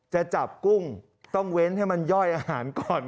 จะจับกุ้งต้องเว้นให้มันย่อยอาหารก่อน